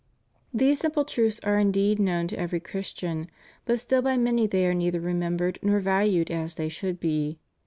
These simple truths are indeed known to every Chris tian, but still by many they are neither remembered nor valued as they should be.